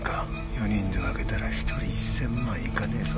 ４人で分けたら１人１０００万いかねえぞ。